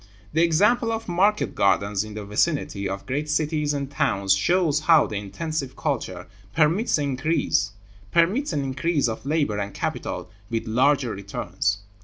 The example of market gardens in the vicinity of great cities and towns shows how the intensive culture permits an increase of labor and capital with larger returns.